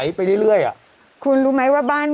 กรมป้องกันแล้วก็บรรเทาสาธารณภัยนะคะ